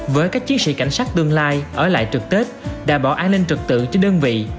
với các chiến sĩ cảnh sát tương lai ở lại trực tết đảm bảo an ninh trực tự cho đơn vị